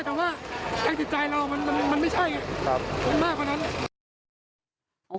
แต่ว่าทางจิตใจเรามันไม่ใช่มันมากกว่านั้น